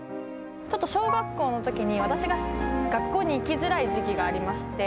ちょっと小学校のときに、私が学校に行きづらい時期がありまして。